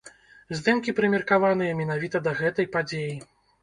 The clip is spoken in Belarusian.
Здымкі прымеркаваныя менавіта да гэтай падзеі.